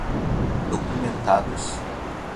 documentados